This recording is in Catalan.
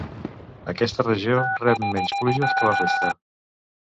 Aquesta regió rep menys pluges que la resta.